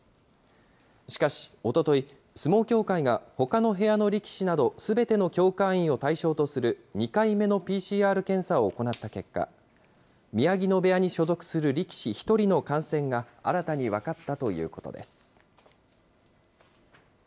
しかし、おととい、相撲協会がほかの部屋の力士など、すべての協会員を対象とする２回目のＰＣＲ検査を行った結果、宮城野部屋に所属する力士１人の感染が新たに分かったということです。